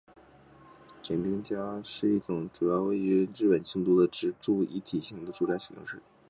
京町家是一种主要位于日本京都的职住一体型的住宅样式。